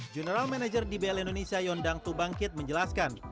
general manager dbl indonesia yondang tubangkit menjelaskan